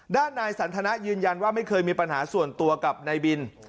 ด้านนายสันทนะยืนยันว่าไม่เคยมีปัญหาส่วนตัวกับนายบิน